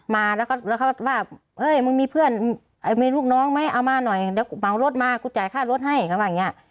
มาแล้วก็ว่าเฮ้ยมึงมีเพื่อนมีลูกน้องไหมเอามาหน่อยเดี๋ยวกูเหมารถมากูจ่ายค่ารถให้เขาว่าอย่างนี้